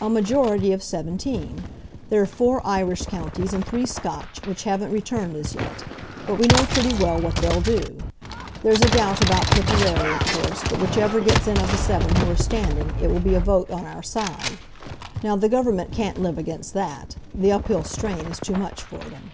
"A majority of seventeen. There are four Irish counties and three Scotch which haven't returned as yet; but we know pretty well what they'll do. There's a doubt about Tipperary, of course, but whichever gets in of the seven who are standing, it will be a vote on our side. Now the Government can't live against that. The uphill strain is too much for them."